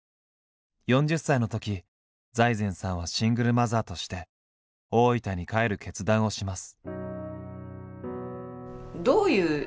４０歳のとき財前さんはシングルマザーとして大分に帰る決断をします。